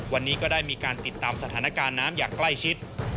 วันนี้ก็ได้มีการติดตามสถานการณ์น้ำอย่างใกล้ชิด